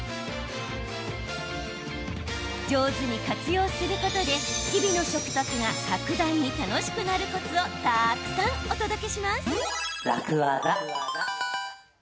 上手に活用することで日々の食卓が格段に楽しくなるコツをたくさんお届けします。